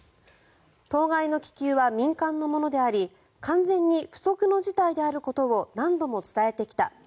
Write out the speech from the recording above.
当該の気球は民間のものであり完全に不測の事態であることを何度も伝えてきた。